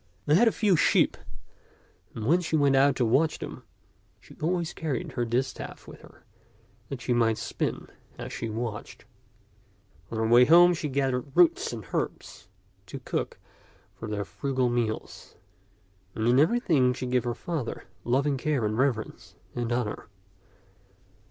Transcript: They had a few sheep, and when she went out to watch them, she always carried her distaff with her that she might spin as she watched. On her way home she gathered roots and herbs to cook for their frugal meals ; and in everything she gave her father loving care and reverence and honor.